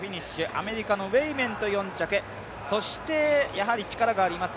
アメリカのウェイメント４着、そして力があります